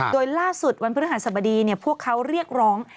โดยล่าสุดวันพฤหัสบดีพวกเขาเรียกร้อง